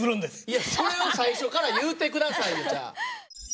いやそれを最初から言うて下さいよじゃあ。